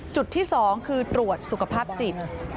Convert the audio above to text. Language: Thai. จุดที่๒คือตรวจสุขภาพจิต